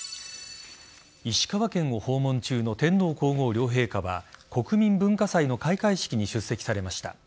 石川県を訪問中の天皇皇后両陛下は国民文化祭の開会式に出席されました。